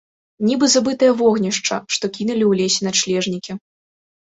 Нібы забытае вогнішча, што кінулі ў лесе начлежнікі.